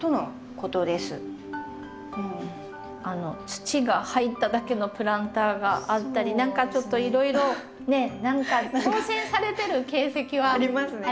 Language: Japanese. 土が入っただけのプランターがあったり何かちょっといろいろねっ何か挑戦されてる形跡は。ありますね。